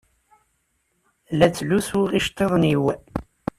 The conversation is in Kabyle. La ttlusuɣ iceṭṭiḍen-iw.